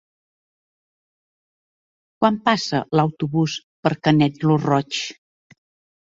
Quan passa l'autobús per Canet lo Roig?